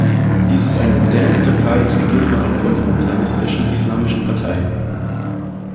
Dies ist die moderne Türkei regiert von einer fundamentalistischen, islamistischen Partei.